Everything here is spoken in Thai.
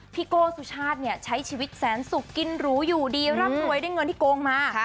โก้สุชาติเนี่ยใช้ชีวิตแสนสุกกินหรูอยู่ดีร่ำรวยด้วยเงินที่โกงมา